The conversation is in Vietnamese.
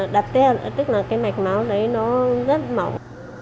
phải mũ và phải đặt tép tức là cái mạch não đấy nó rất mỏng